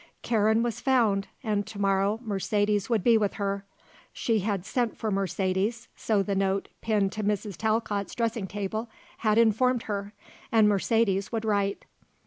Karen was found and to morrow Mercedes would be with her; she had sent for Mercedes, so the note pinned to Mrs. Talcott's dressing table had informed her, and Mercedes would write.